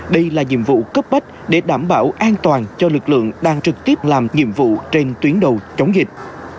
đây là nhiệm vụ cấp bách để đảm bảo an toàn cho lực lượng đang trực tiếp làm nhiệm vụ trên tuyến đầu chống dịch